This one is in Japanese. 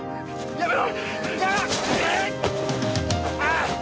やめろ！